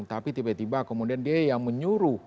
tapi tiba tiba kemudian dia yang menyuruh